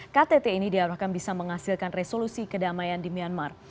ktt ini diharapkan bisa menghasilkan resolusi kedamaian di myanmar